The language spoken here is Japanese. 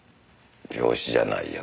病死じゃないよね。